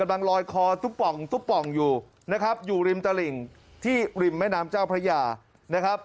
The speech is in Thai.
ลอยคอตุ๊บป่องตุ๊บป่องอยู่นะครับอยู่ริมตลิ่งที่ริมแม่น้ำเจ้าพระยานะครับ